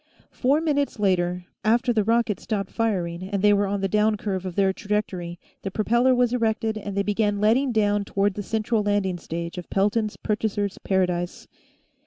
Four minutes later, after the rocket stopped firing and they were on the down curve of their trajectory, the propeller was erected and they began letting down toward the central landing stage of Pelton's Purchasers' Paradise.